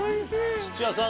土屋さん。